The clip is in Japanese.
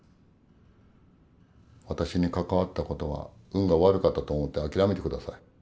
私に関わった事は運が悪かったと思って諦めて下さい。